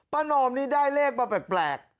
นอมนี่ได้เลขมาแปลก